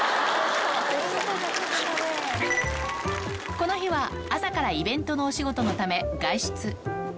この日は朝からイベントのお仕事のため外出。